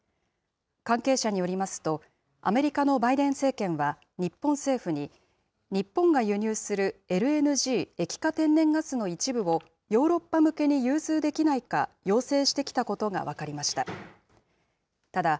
関係者によりますと、アメリカのバイデン政権は日本政府に、日本が輸入するＬＮＧ・液化天然ガスの一部を、ヨーロッパ向けに融通できないか、要請してきたことが分かりました。